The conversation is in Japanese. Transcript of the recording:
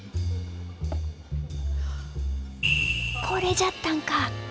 これじゃったんか！